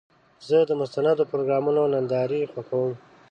زه د مستندو پروګرامونو نندارې خوښوم.